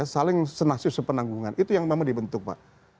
saling senang senang penanggungan itu yang memang dibentuk pak